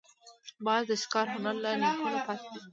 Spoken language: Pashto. باز د ښکار هنر له نیکونو پاتې دی